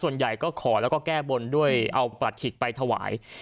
ส่วนใหญ่ก็ขอแล้วก็แก้บนด้วยเอาประหัฐขิกไปถวาย